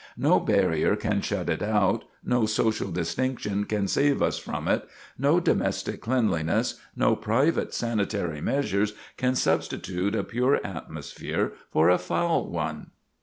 No barrier can shut it out, no social distinction can save us from it; no domestic cleanliness, no private sanitary measures can substitute a pure atmosphere for a foul one."